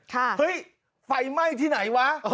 เฮ้ยไฟไหม้ที่ไหนวะ